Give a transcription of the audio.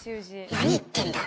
何言ってんだ？